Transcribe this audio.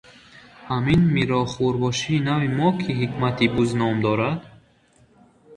Ҳамин мирохурбошии нави мо, ки Ҳикмати Буз ном дорад?